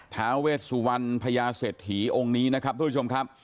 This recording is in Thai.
ท้าเวชสุวรรณพญาเศรษฐีองค์นี้นะครับทุกผู้ชมครับ